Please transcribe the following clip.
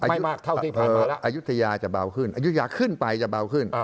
ไม่มากเท่าที่ผ่านมาแล้วอายุทยาจะเบาขึ้นอายุทยาขึ้นไปจะเบาขึ้น